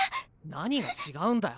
何がちがうんだよ。